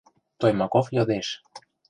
— Тоймаков йодеш.